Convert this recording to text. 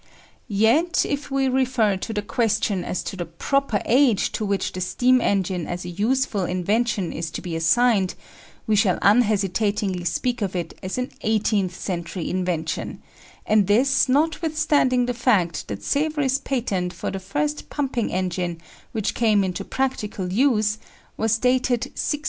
Yet, if we refer to the question as to the proper age to which the steam engine as a useful invention is to be assigned, we shall unhesitatingly speak of it as an eighteenth century invention, and this notwithstanding the fact that Savery's patent for the first pumping engine which came into practical use was dated 1698.